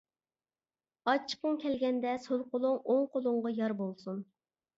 ئاچچىقنىڭ كەلگەندە سول قولۇڭ ئوڭ قولۇڭغا يار بولسۇن.